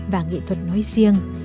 và nghệ thuật nói riêng